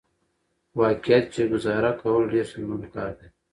واقعيت چې ګزاره کول ډېره ستونزمن کار دى .